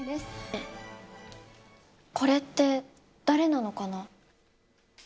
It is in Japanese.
これって、誰なのかな？